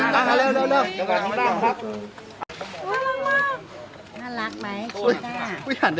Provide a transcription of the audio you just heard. รุกนิดขาขาด